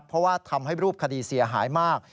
เพราะว่าทำให้รูปคดีเสียหายมาก